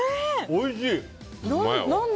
おいしい！